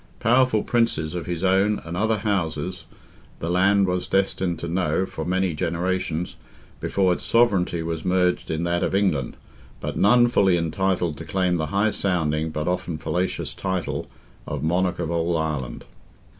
Powerful Princes of his own and other houses the land was destined to know for many generations, before its sovereignty was merged in that of England, but none fully entitled to claim the high sounding, but often fallacious title, of Monarch of all Ireland.